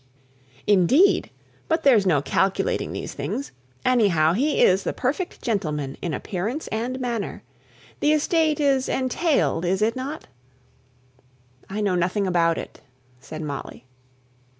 "Indeed! But there's no calculating these things. Anyhow, he is the perfect gentleman in appearance and manner. The estate is entailed, is it not?" "I know nothing about it," said Molly.